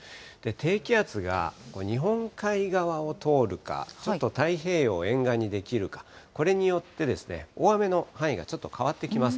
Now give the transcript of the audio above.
低気圧が日本海側を通るか、ちょっと太平洋沿岸に出来るか、これによって大雨の範囲がちょっと変わってきます。